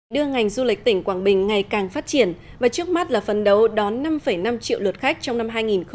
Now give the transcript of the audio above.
đưa ngành du lịch tỉnh quảng bình ngày càng phát triển và trước mắt là phấn đấu đón năm năm triệu lượt khách trong năm hai nghìn hai mươi